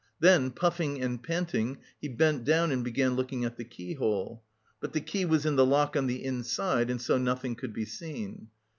Then puffing and panting he bent down and began looking at the keyhole: but the key was in the lock on the inside and so nothing could be seen.